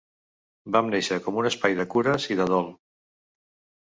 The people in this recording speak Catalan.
Vam néixer com un espai de cures i de dol.